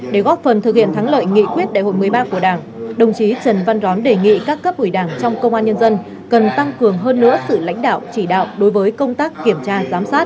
để góp phần thực hiện thắng lợi nghị quyết đại hội một mươi ba của đảng đồng chí trần văn đón đề nghị các cấp ủy đảng trong công an nhân dân cần tăng cường hơn nữa sự lãnh đạo chỉ đạo đối với công tác kiểm tra giám sát